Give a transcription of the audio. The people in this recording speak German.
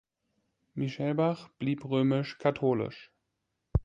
Michelbach blieb römisch-katholisch.